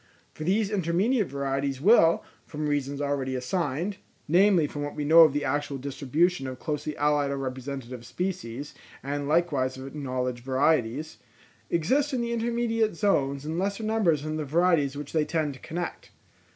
For these intermediate varieties will, from reasons already assigned (namely from what we know of the actual distribution of closely allied or representative species, and likewise of acknowledged varieties), exist in the intermediate zones in lesser numbers than the varieties which they tend to connect.